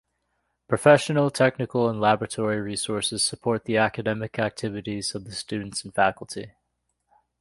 Professional, technical and laboratory resources support the academic activities of the students and faculty.